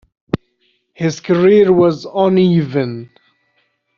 His career was uneven.